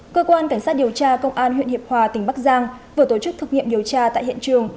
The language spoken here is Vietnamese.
cơ quan cảnh sát điều tra công an huyện hiệp hòa tỉnh bắc giang vừa tổ chức thực nghiệm điều tra tại hiện trường